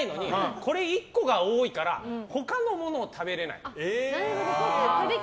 これ１個が多いから他の物を食べれない。